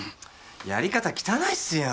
やり方汚いっすよ。